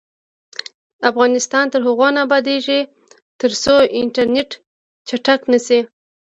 افغانستان تر هغو نه ابادیږي، ترڅو انټرنیټ چټک نشي.